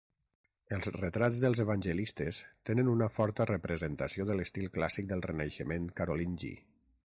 Els retrats dels evangelistes tenen una forta representació de l'estil clàssic del renaixement carolingi.